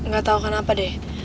gak tau kenapa deh